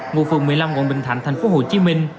ngụ phường một mươi năm quận bình thạnh tp hcm